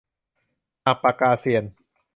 หักปากกาเซียน